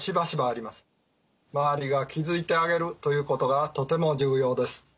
周りが気づいてあげるということがとても重要です。